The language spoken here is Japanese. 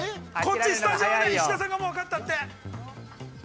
◆スタジオはもう石田さんがわかったって！